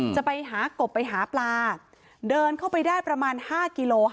จะไปหากบไปหาปลาเดินเข้าไปได้ประมาณ๕กิโล